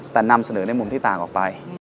แต่นำเสนอในมุมที่ต่างออกไป